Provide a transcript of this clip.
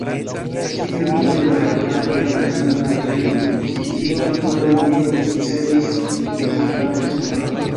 Tiuj internaj demandoj de la juna virino ĉi tiun fojon ne ricevis definitivan respondon.